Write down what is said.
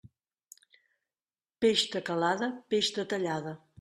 Peix de calada, peix de tallada.